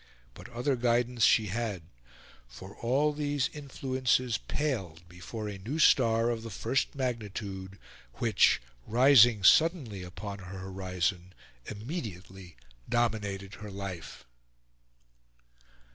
But other guidance she had; for all these influences paled before a new star, of the first magnitude, which, rising suddenly upon her horizon, immediately dominated her life.